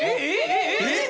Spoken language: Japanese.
えっ？